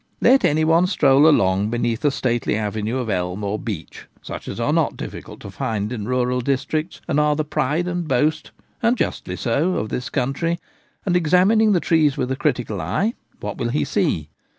Let any one stroll along beneath a stately avenue of elm or beech, such as are not difficult to find in rural districts, and are the pride and boast — and justly so — of this country, and, examining the trees with critical eye, what will he see